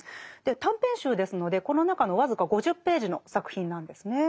短編集ですのでこの中の僅か５０ページの作品なんですね。